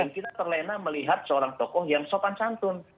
dan kita terlena melihat seorang tokoh yang sopan santun